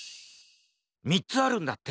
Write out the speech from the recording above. ３つあるんだって！